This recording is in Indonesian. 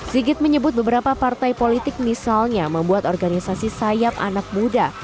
sigit menyebut beberapa partai politik misalnya membuat organisasi sayap anak muda